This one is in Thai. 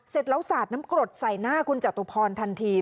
เสร็จแล้วสาดน้ำกรดใส่หน้าคุณจตุพรทันที